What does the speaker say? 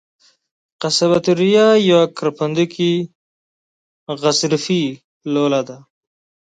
قصبة الریه یوه کرپندوکي غضروفي لوله ده.